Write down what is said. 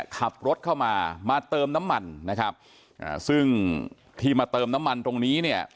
ขับรถเข้ามามาเติมน้ำมันนะครับอ่าซึ่งที่มาเติมน้ำมันตรงนี้เนี่ย